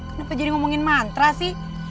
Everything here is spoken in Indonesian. kenapa jadi ngomongin mantra sih